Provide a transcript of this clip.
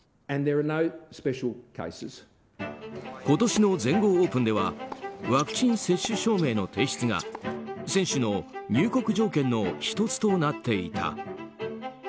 今年の全豪オープンはワクチン接種証明の提出が選手の入国条件の１つとなっていた。